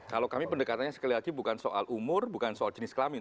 kalau kami pendekatannya sekali lagi bukan soal umur bukan soal jenis kelamin